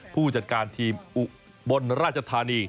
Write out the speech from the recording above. ผู้จัดการทีมอุบลราชธานี